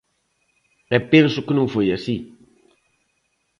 E penso que non foi así.